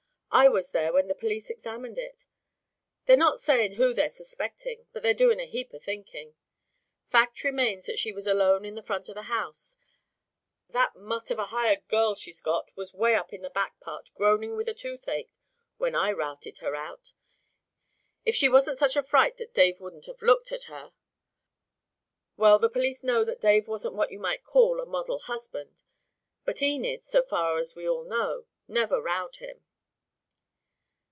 I was there when the police examined it. They're not saying who they're suspectin', but they're doin' a heap of thinkin'. Fact remains that she was alone in the front of the house that mutt of a hired girl she's got was way up in the back part groanin' with a toothache when I routed her out. If she wasn't such a fright that Dave wouldn't have looked at her Well, the police know that Dave wasn't what you might call a model husband; but Enid, so far as we all know, never rowed him.